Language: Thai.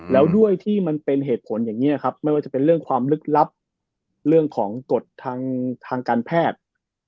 แล้วด้วยที่มันเป็นเหตุผลอย่างนี้ครับไม่ว่าจะเป็นเรื่องความลึกลับเรื่องของกฎทางการแพทย์